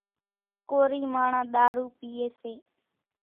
ڪورِي ماڻۿان ۮارُو پيئيَ سي۔